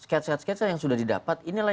sketsa sketsa yang sudah didapat inilah